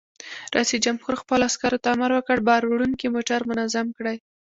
رئیس جمهور خپلو عسکرو ته امر وکړ؛ بار وړونکي موټر منظم کړئ!